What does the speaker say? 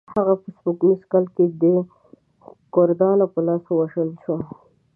هغه په سپوږمیز کال کې د کردانو په لاس ووژل شو.